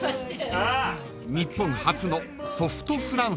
［日本初のソフトフランスが］